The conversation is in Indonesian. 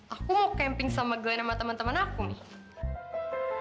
aku mau camping sama grand sama teman teman aku nih